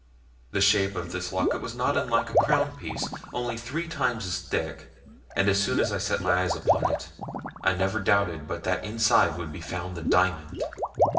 The shape of this locket was not unlike a crown piece, only three times as thick, and as soon as I set eyes upon it I never doubted but that inside would be found the diamond.